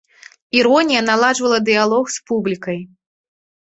Іронія наладжвала дыялог з публікай.